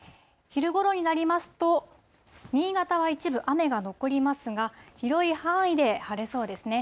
昼ごろになりますと、新潟は一部雨が残りますが、広い範囲で晴れそうですね。